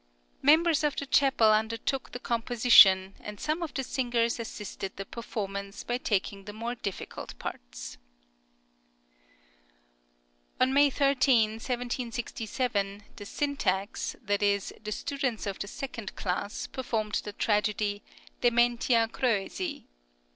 Members of the chapel undertook the composition, and some of the singers assisted the performance by taking the more difficult parts. On May 13, 1767, the Syntax, that is, the students of the second class, performed the tragedy, "dementia Croesi."